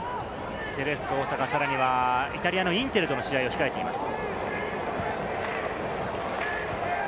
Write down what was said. セレッソ大阪、さらにはイタリアのインテルとの試合も控えています。